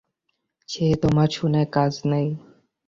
সে তোমার শুনে কাজ নেই।